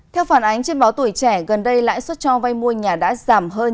theo phản ánh trên báo tuổi trẻ gần đây lãi suất cho vay mua nhà đã giảm hơn